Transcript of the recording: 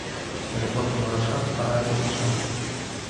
Але потым вырашаюць параіцца з начальствам.